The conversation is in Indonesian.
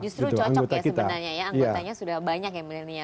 justru cocok ya sebenarnya ya anggotanya sudah banyak ya milenial